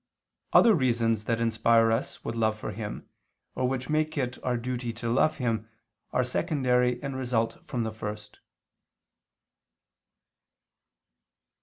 Other reasons that inspire us with love for Him, or which make it our duty to love Him, are secondary and result from the first.